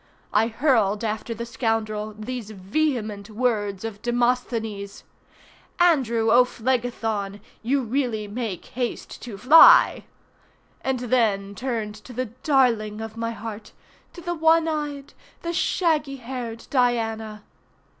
I hurled after the scoundrel these vehement words of Demosthenes— Andrew O'Phlegethon, you really make haste to fly, and then turned to the darling of my heart, to the one eyed! the shaggy haired Diana.